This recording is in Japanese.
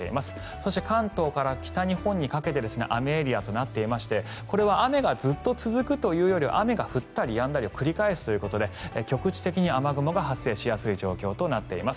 そして、関東から北日本にかけて雨エリアとなっていましてこれは雨がずっと続くというよりは雨が降ったりやんだりを繰り返すということで局地的に雨雲が発生しやすい状態となっています。